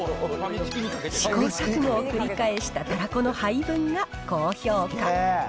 試行錯誤を繰り返したたらこの配分が高評価。